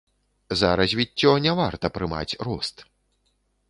За развіццё не варта прымаць рост.